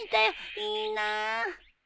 いいなあ。